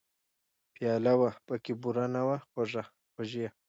پیاله وه پکې بوره نه وه خوږې !